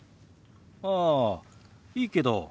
ああいいけど。